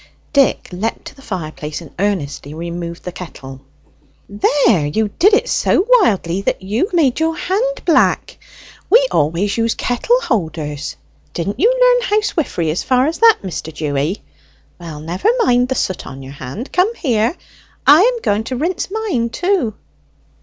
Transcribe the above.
Dick leapt to the fireplace, and earnestly removed the kettle. "There! you did it so wildly that you have made your hand black. We always use kettle holders; didn't you learn housewifery as far as that, Mr. Dewy? Well, never mind the soot on your hand. Come here. I am going to rinse mine, too."